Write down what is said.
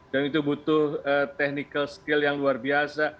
dan itu butuh teknikal skill yang luar biasa